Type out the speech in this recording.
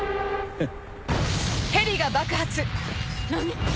フッ！